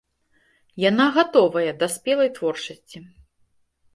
Яна гатовая да спелай творчасці.